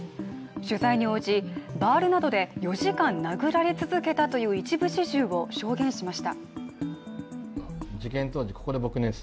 取材に応じ、バールなどで４時間殴られ続けたという一部始終を証言しました。